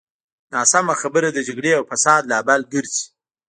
ناسمه خبره د جګړې او فساد لامل ګرځي.